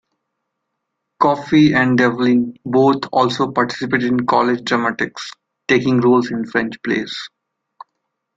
Coffey and Devlin both also participated in college dramatics, taking roles in French plays.